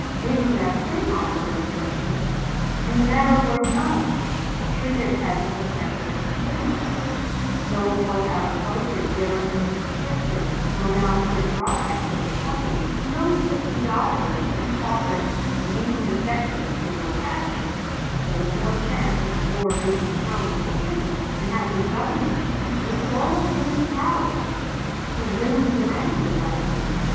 Being that same officer and gentleman, you never were mugged treated as a prospective criminal; no four thousand posters bearing your picture will now be sent broadcast over the country; no fifty dollars is offered lean detectives for your capture; you're in no chance of being thrown into prison and have your government do all in its power to wring the manhood out of you!